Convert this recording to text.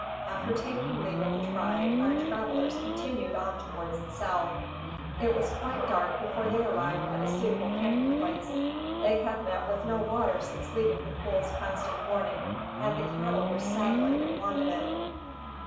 After taking leave of the tribe, our travellers continued on towards the south. It was quite dark before they arrived at a suitable camping place. They had met with no water since leaving the pools passed in the morning, and the cattle were sadly in want of it.